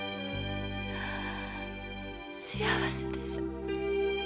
幸せです。